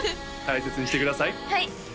大切にしてください